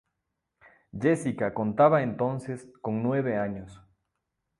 Jessica contaba entonces con nueve años.